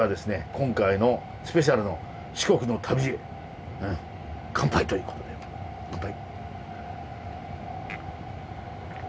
今回のスペシャルの四国の旅へ乾杯ということで乾杯。